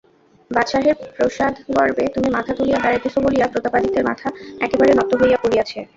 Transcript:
বাদশাহের প্রসাদগর্বে তুমি মাথা তুলিয়া বেড়াইতেছ বলিয়া প্রতাপাদিত্যের মাথা একেবারে নত হইয়া পড়িয়াছে।